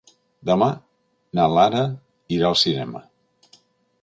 Demà na Lara irà al cinema.